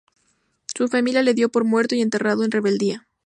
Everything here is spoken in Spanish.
Su familia lo dio por muerto y enterrado en rebeldía.